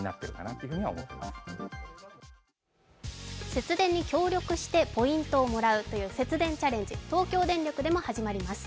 節電に協力してポイントをもらうという節電チャレンジ、東京電力でも始まります。